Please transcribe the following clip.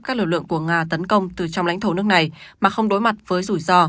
các lực lượng của nga tấn công từ trong lãnh thổ nước này mà không đối mặt với rủi ro